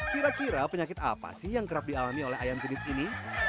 kira kira penyakit apa sih yang kerap dialami oleh ayam jenis ini